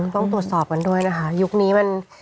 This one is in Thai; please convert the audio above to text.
ต้องตรวจสอบกันด้วยนะคะยุคนี้มัน